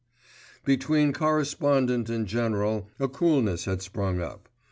Between Correspondent and General a coolness had sprung up.